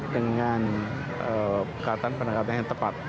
dengan perkataan perkataan yang tepat